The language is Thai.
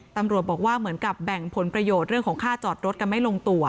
ตำรวจบอกว่าเหมือนกับแบ่งผลประโยชน์เรื่องของค่าจอดรถกันไม่ลงตัว